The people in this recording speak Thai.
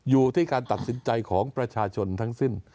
อยู่ที่การตัดสินใจของประชาชนทั้งสิ้น